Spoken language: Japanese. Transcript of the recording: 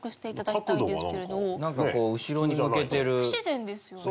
不自然ですよね？